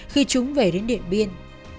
khi chúng về đến điền biên